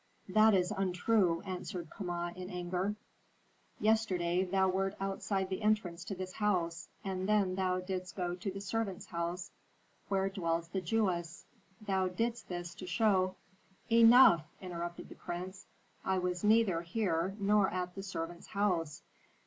"That is untrue," answered Kama, in anger. "Yesterday thou wert outside the entrance to this house, and then thou didst go to the servants' house, where dwells the Jewess. Thou didst this to show " "Enough!" interrupted the prince. "I was neither here nor at the servants' house.